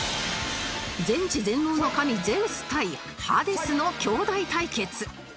全知全能の神ゼウス対ハデスの兄弟対決